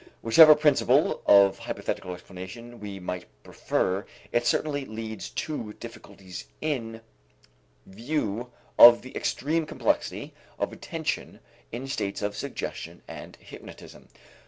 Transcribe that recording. Whichever principle of hypothetical explanation we might prefer, it certainly leads to difficulties in view of the extreme complexity of attention in states of suggestion and hypnotism.